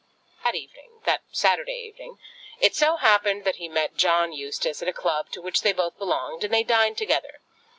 That evening, that Saturday evening, it so happened that he met John Eustace at a club to which they both belonged, and they dined together.